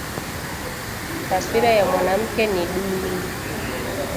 Taswira ya mwanamke ni duni